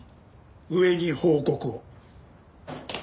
上に報告を。